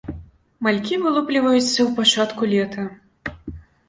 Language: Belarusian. Малькі вылупліваюцца ў пачатку лета.